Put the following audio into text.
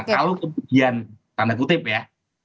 kalau kemudian tanda kutip ya